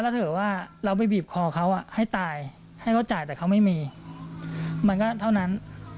แล้วเถอะว่าเราไปบีบคอเขาให้ตายให้เขาจ่ายแต่เขาไม่มีมันก็เท่านั้น